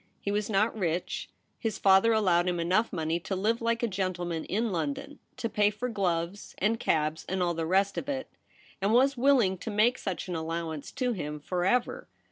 He was not rich; his father allowed him enough money to live like a gentleman in London, to pay for gloves and cabs and all the rest of it, and was willing to make such an allowance to him for ever.